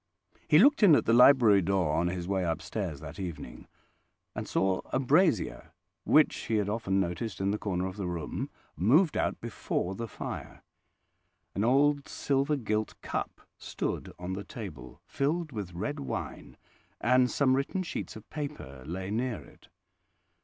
He looked in at the library door on his way upstairs that evening, and saw a brazier, which he had often noticed in the corner of the room, moved out before the fire; an old silver gilt cup stood on the table, filled with red wine, and some written sheets of paper lay near it.